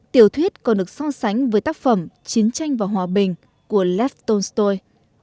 tiểu thuyết còn được so sánh với tác phẩm chiến tranh và hòa bình của lev tolstoy